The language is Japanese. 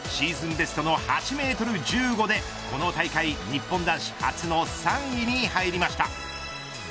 ベストの８メートル１５でこの大会、日本男子初の３位に入りました。